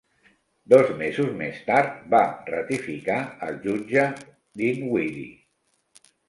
Dos mesos més tard, va ratificar el jutge Dinwiddie.